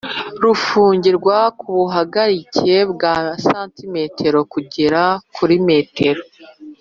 rufungirwa kubuhagarike bwa cm kugera kuri m ,